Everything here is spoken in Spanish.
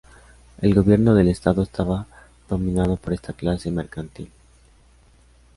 El gobierno del estado estaba dominado por esta clase mercantil.